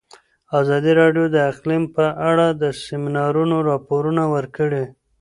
ازادي راډیو د اقلیم په اړه د سیمینارونو راپورونه ورکړي.